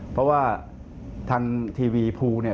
เพราะว่าทันทีวีภูเนี่ย